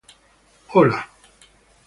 hola